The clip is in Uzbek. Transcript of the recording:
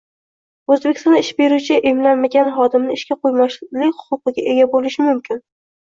O‘zbekistonda ish beruvchi emlanmagan xodimini ishga qo‘ymaslik huquqiga ega bo‘lishi mumkin